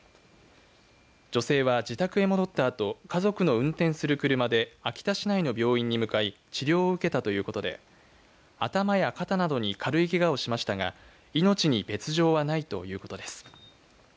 女性は自宅へ戻ったあと家族の運転する車で秋田市内の病院に向かい治療を受けたということで頭や肩などに軽いけがをしましたが命に別状はないということです。